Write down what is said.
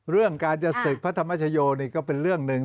เรื่องการจะศึกพระธรรมชโยนี่ก็เป็นเรื่องหนึ่ง